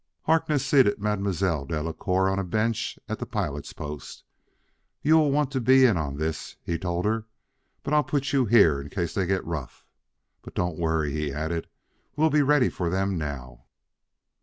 Harkness seated Mademoiselle Delacouer on a bench at the pilot's post. "You will want to be in on this," he told her, "but I'll put you here in case they get rough. But don't worry," he added; "we'll be ready for them now."